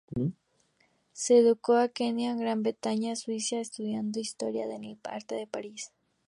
Se educó en Kenia, Gran Bretaña, Suiza, estudiando Historia del arte en París.